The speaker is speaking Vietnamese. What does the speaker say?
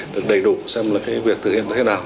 được đầy đủ xem là cái việc thực hiện như thế nào